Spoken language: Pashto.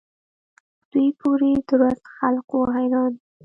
دوی پوري درست خلق وو حیران.